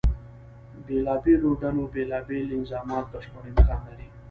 بېلابېلو ډلو بیلا بیل انظامات بشپړ امکان لري.